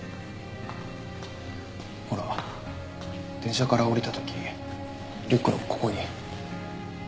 ほら電車から降りた時リュックのここに。